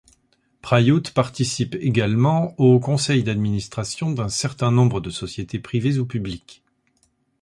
Prayuth participe également aux conseils d'administration d'un certain nombre de sociétés privées ou publiques.